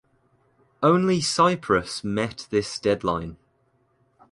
Only Cyprus met this deadline.